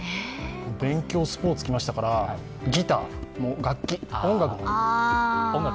勉強、スポーツきましたからギター、音楽。